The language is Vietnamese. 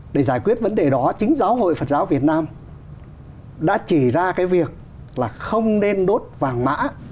để giải quyết vấn đề đó chính giáo hội phật giáo việt nam đã chỉ ra cái việc là không nên đốt vàng mã